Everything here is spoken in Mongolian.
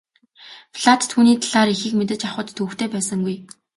Платт түүний талаар ихийг мэдэж авахад төвөгтэй байсангүй.